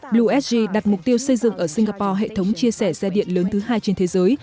bluesg đặt mục tiêu xây dựng ở singapore hệ thống chia sẻ xe điện lớn thứ hai trên thế giới